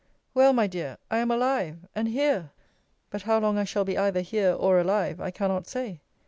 Well, my dear, I am alive, and here! but how long I shall be either here, or alive, I cannot say.